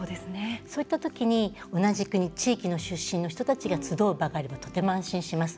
そういった時に同じ国、地域の出身の人たちが集う場があればとても安心します。